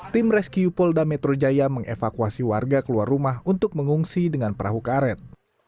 tim rescue polda metro jaya mengevakuasi warga keluar rumah untuk mengungsi dengan perahu karet